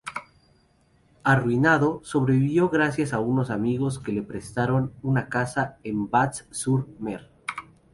Arruinado, sobrevivió gracias a unos amigos que le prestaron una casa en Batz-sur-Mer.